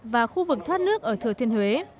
và khu vực thoát nước ở thừa thiên huế